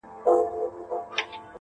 • وه ه ته به كله زما شال سې .